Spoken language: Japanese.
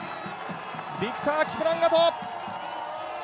ビクター・キプランガト。